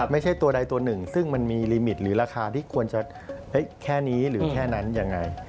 ไม่ใช่ตัวใดตัวหนึ่งซึ่งมันมีลิมิตหรือราคาที่ควรจะแค่นี้หรือแค่นั้นยังไง